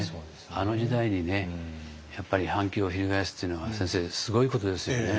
あの時代にやっぱり反旗を翻すっていうのは先生すごいことですよね。